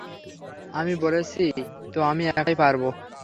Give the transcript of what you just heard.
আমি বলেছিই তো আমি একাই পারবো।